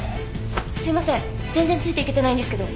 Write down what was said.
すいません全然ついていけてないんですけど。